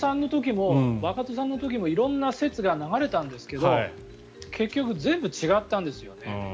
若人さんの時も色んな説が流れたんですが結局全部違ったんですよね。